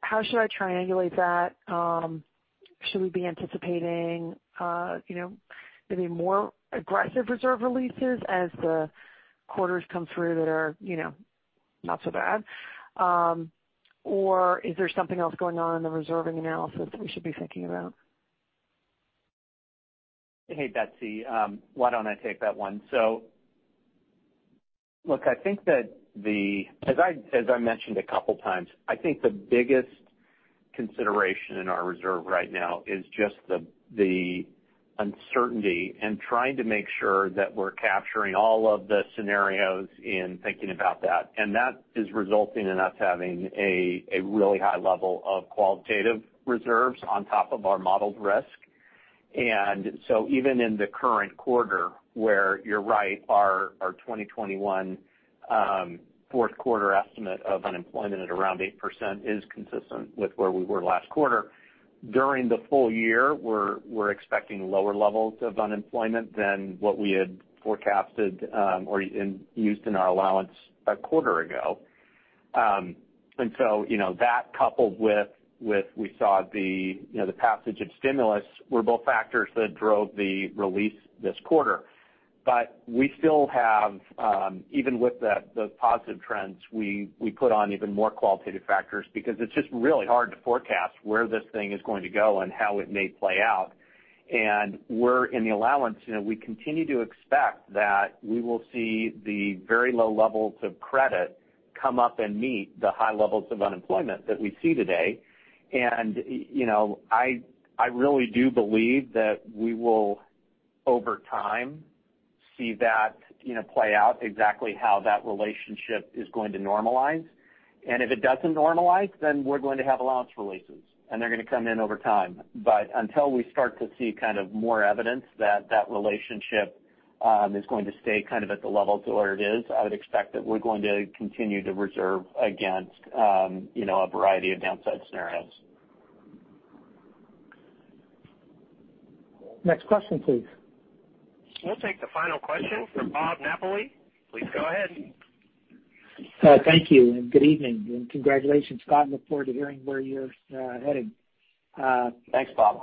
How should I triangulate that? Should we be anticipating maybe more aggressive reserve releases as the quarters come through that are not so bad? Is there something else going on in the reserving analysis that we should be thinking about? Hey, Betsy. Why don't I take that one? Look, as I mentioned a couple of times, I think the biggest consideration in our reserve right now is just the uncertainty and trying to make sure that we're capturing all of the scenarios in thinking about that. That is resulting in us having a really high level of qualitative reserves on top of our modeled risk. Even in the current quarter where, you're right, our 2021 fourth quarter estimate of unemployment at around 8% is consistent with where we were last quarter. During the full year, we're expecting lower levels of unemployment than what we had forecasted or used in our allowance a quarter ago. That coupled with we saw the passage of stimulus were both factors that drove the release this quarter. We still have, even with those positive trends, we put on even more qualitative factors because it's just really hard to forecast where this thing is going to go and how it may play out. Where in the allowance, we continue to expect that we will see the very low levels of credit come up and meet the high levels of unemployment that we see today. I really do believe that we will, over time, see that play out exactly how that relationship is going to normalize. If it doesn't normalize, then we're going to have allowance releases, and they're going to come in over time. Until we start to see more evidence that relationship is going to stay at the levels where it is, I would expect that we're going to continue to reserve against a variety of downside scenarios. Next question, please. We'll take the final question from Bob Napoli. Please go ahead. Thank you, and good evening, and congratulations, Scott. Look forward to hearing where you're heading. Thanks, Bob.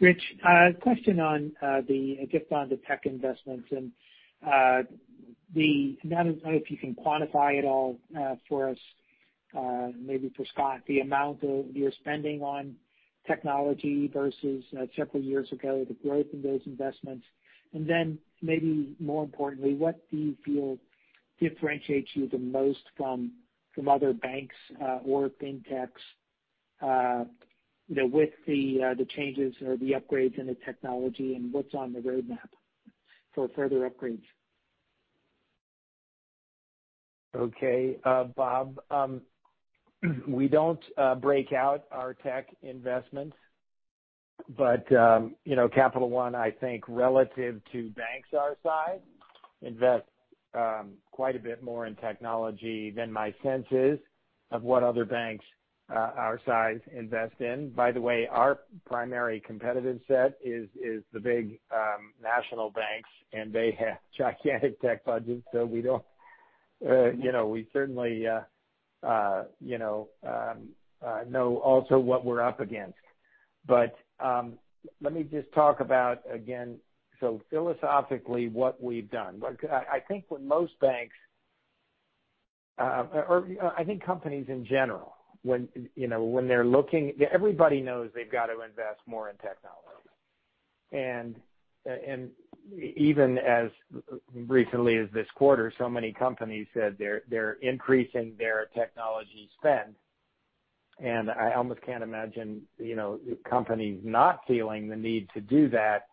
Rich, a question on the tech investments and I don't know if you can quantify at all for us, maybe for Scott, the amount of your spending on technology versus several years ago, the growth in those investments. Then maybe more importantly, what do you feel differentiates you the most from other banks or Fintechs with the changes or the upgrades in the technology and what's on the roadmap for further upgrades? Okay. Bob, we don't break out our tech investments. Capital One, I think relative to banks our size, invest quite a bit more in technology than my sense is of what other banks our size invest in. By the way, our primary competitive set is the big national banks, and they have gigantic tech budgets. Let me just talk about, again, so philosophically what we've done. Because I think what most banks or I think companies in general, everybody knows they've got to invest more in technology. Even as recently as this quarter, so many companies said they're increasing their technology spend. I almost can't imagine companies not feeling the need to do that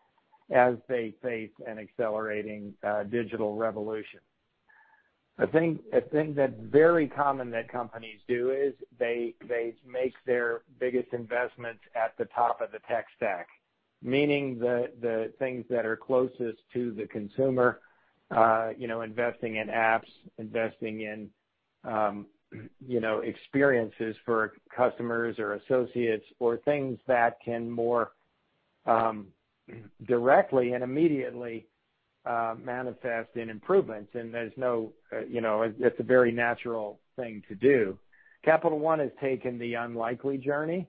as they face an accelerating digital revolution. A thing that's very common that companies do is they make their biggest investments at the top of the tech stack. Meaning the things that are closest to the consumer, investing in apps, investing in experiences for customers or associates or things that can more directly and immediately manifest in improvements. It's a very natural thing to do. Capital One has taken the unlikely journey,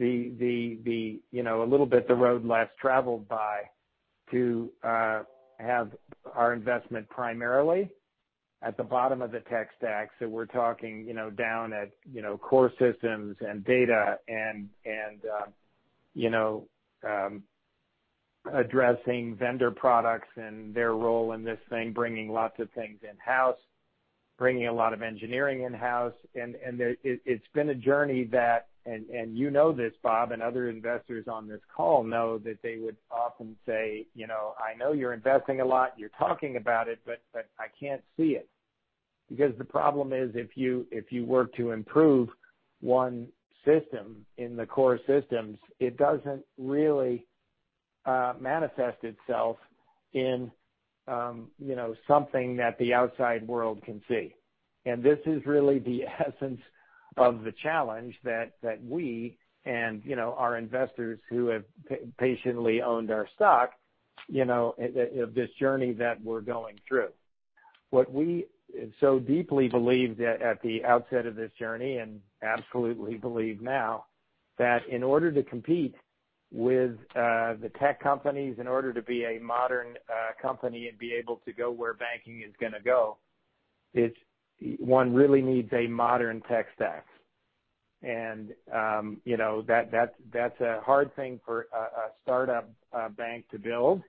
a little bit the road less traveled by to have our investment primarily at the bottom of the tech stack. We're talking down at core systems and data and addressing vendor products and their role in this thing, bringing lots of things in-house, bringing a lot of engineering in-house. It's been a journey that, and you know this, Bob, and other investors on this call know that they would often say, "I know you're investing a lot, you're talking about it, but I can't see it." Because the problem is if you were to improve one system in the core systems, it doesn't really manifest itself in something that the outside world can see. This is really the essence of the challenge that we and our investors who have patiently owned our stock of this journey that we're going through. What we so deeply believed at the outset of this journey and absolutely believe now that in order to compete with the tech companies, in order to be a modern company and be able to go where banking is going to go, one really needs a modern tech stack. That's a hard thing for a startup bank to build.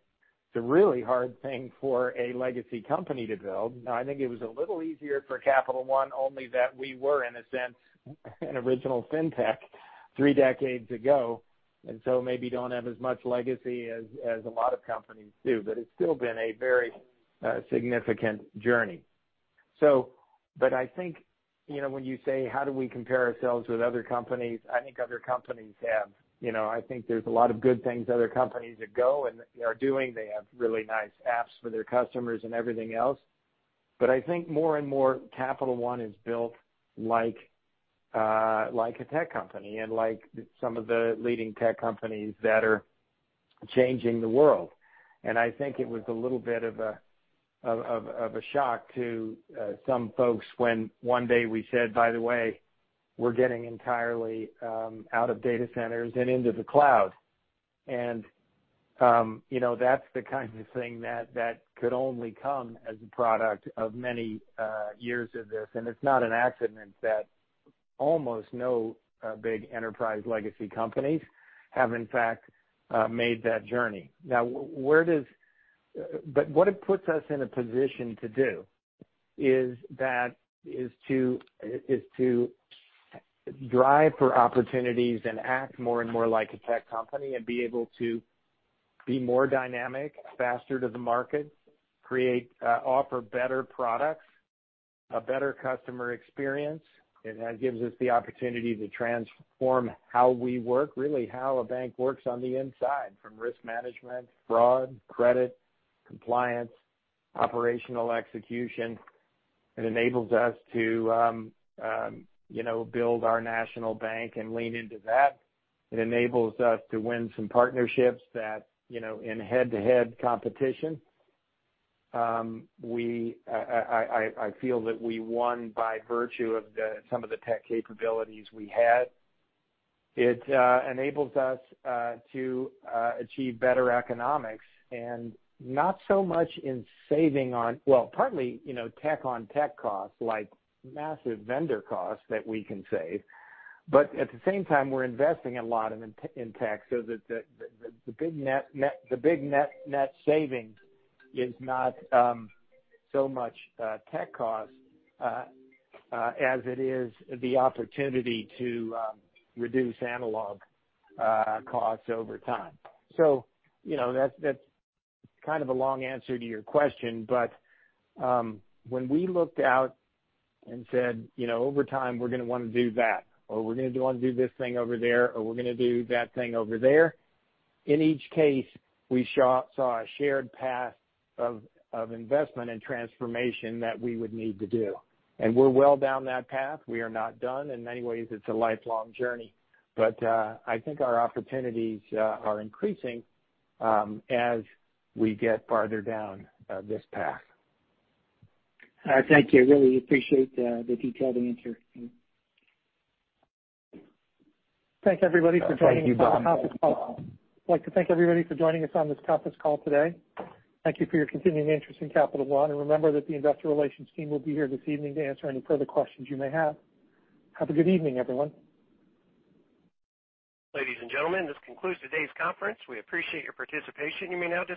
It's a really hard thing for a legacy company to build. I think it was a little easier for Capital One, only that we were, in a sense, an original fintech three decades ago, and so maybe don't have as much legacy as a lot of companies do. It's still been a very significant journey. I think when you say how do we compare ourselves with other companies, I think there's a lot of good things other companies ago and are doing. They have really nice apps for their customers and everything else. I think more and more Capital One is built like a tech company and like some of the leading tech companies that are changing the world. I think it was a little bit of a shock to some folks when one day we said, "By the way, we're getting entirely out of data centers and into the cloud." That's the kind of thing that could only come as a product of many years of this. It's not an accident that almost no big enterprise legacy companies have, in fact, made that journey. What it puts us in a position to do is to drive for opportunities and act more and more like a tech company, and be able to be more dynamic, faster to the market, offer better products, a better customer experience. It gives us the opportunity to transform how we work, really how a bank works on the inside, from risk management, fraud, credit, compliance, operational execution. It enables us to build our national bank and lean into that. It enables us to win some partnerships that, in head-to-head competition, I feel that we won by virtue of some of the tech capabilities we had. It enables us to achieve better economics and not so much in saving on Well, partly, tech-on-tech costs, like massive vendor costs that we can save. At the same time, we're investing a lot in tech so that the big net savings is not so much tech cost as it is the opportunity to reduce analog costs over time. That's kind of a long answer to your question, but when we looked out and said, "Over time, we're going to want to do that," or, "We're going to want to do this thing over there," or, "We're going to do that thing over there," in each case, we saw a shared path of investment and transformation that we would need to do. We're well down that path. We are not done. In many ways, it's a lifelong journey. I think our opportunities are increasing as we get farther down this path. All right. Thank you. I really appreciate the detailed answer. Thank you. Thank you, Bob. I'd like to thank everybody for joining us on this conference call today. Thank you for your continuing interest in Capital One, and remember that the investor relations team will be here this evening to answer any further questions you may have. Have a good evening, everyone. Ladies and gentlemen, this concludes today's conference. We appreciate your participation. You may now disconnect.